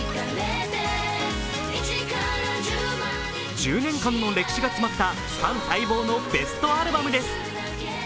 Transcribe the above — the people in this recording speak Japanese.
１０年間の歴史が詰まったファン待望のベストアルバムです。